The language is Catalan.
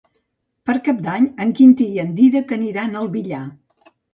Per Cap d'Any en Quintí i en Dídac aniran al Villar.